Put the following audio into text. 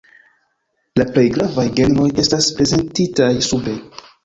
La plej gravaj genroj estas prezentitaj sube.